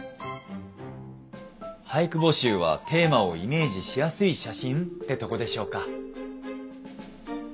俳句募集はテーマをイメージしやすい写真ってとこでしょうか。